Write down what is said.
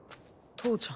父ちゃん。